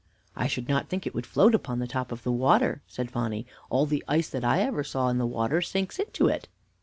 "I should not think it would float upon the top of the water," said Phonny. "All the ice that I ever saw in the water sinks into it."